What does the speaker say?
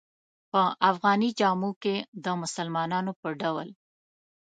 په افغاني جامو کې د مسلمانانو په ډول.